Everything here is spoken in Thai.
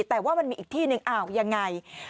แต่ว่ามันมีอีกที่หนึ่งอ้าวยังไง